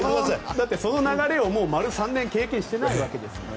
その流れを丸３年経験してないわけですから。